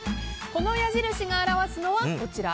この矢印が表すのは、こちら。